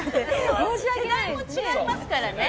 世代も違いますからね。